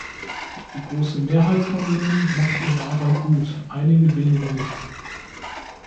Die große Mehrheit von ihnen macht ihre Arbeit gut einige wenige nicht.